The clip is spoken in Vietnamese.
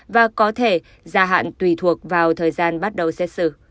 và có thể gia hạn tùy thuộc vào thời gian bắt đầu xét xử